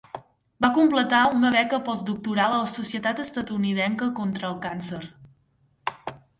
Va completar una beca post-doctoral a la Societat Estatunidenca contra el Càncer.